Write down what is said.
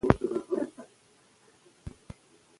لوستل د ذهن خلاقيت لوړوي او د نوو نظریاتو منلو وړتیا زیاتوي.